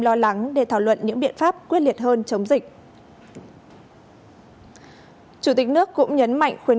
lo lắng để thảo luận những biện pháp quyết liệt hơn chống dịch chủ tịch nước cũng nhấn mạnh khuyến